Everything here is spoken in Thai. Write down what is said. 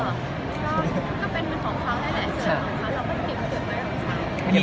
เราก็กินไปยังไง